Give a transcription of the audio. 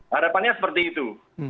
harapannya seperti itu